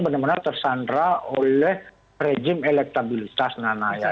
benar benar tersandra oleh rejim elektabilitas nana ya